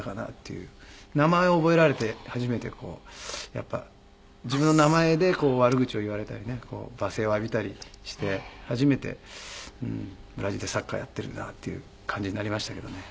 名前を覚えられて初めてやっぱり自分の名前で悪口を言われたりね罵声を浴びたりして初めてブラジルでサッカーやっているなっていう感じになりましたけどね。